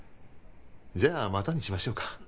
じゃあまたにしましょうか。